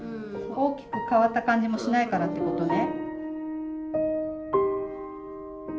大きく変わった感じもしないからってことね。